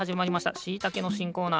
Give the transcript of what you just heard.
しいたけのしんコーナー。